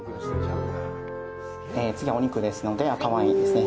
次は、お肉ですので赤ワインですね。